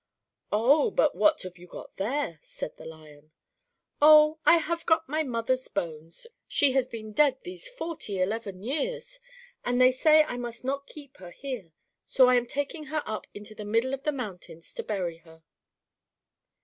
"Oh! But what have you got there?" said the Lion. "Oh! I have got my mother's bones she has been dead these forty eleven years, and they say I must not keep her here, so I am taking her up into the middle of the mountains to bury her."